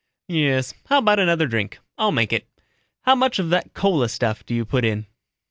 "Yes. How about another drink? I'll make it. How much of that cola stuff do you put in?"